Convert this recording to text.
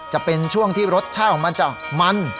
จะเป็นช่วงที่รสชาติของมันจะมัน